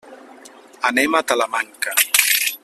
Anem a Talamanca.